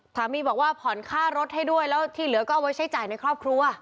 สามีบอกว่าผ่อนค่ารถให้ด้วยแล้วที่เหลือก็เอาไว้ใช้จ่ายในครอบครัว